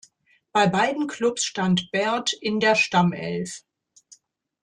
Bei beiden Klubs stand Baird in der Stammelf.